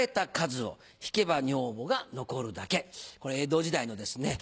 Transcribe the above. これ江戸時代のですね